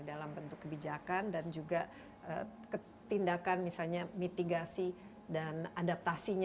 dalam bentuk kebijakan dan juga ketindakan misalnya mitigasi dan adaptasinya